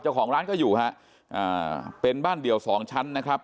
เจ้าของร้านก็อยู่ฮะอ่าเป็นบ้านเดี่ยวสองชั้นนะครับ